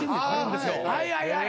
はいはいはい。